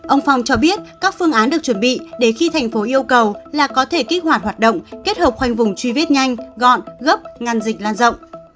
ông phong cho biết các phương án được chuẩn bị để khi thành phố yêu cầu là có thể kích hoạt hoạt động kết hợp khoanh vùng truy vết nhanh gọn gấp ngăn dịch lan rộng